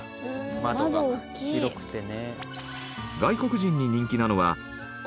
窓が広くてね。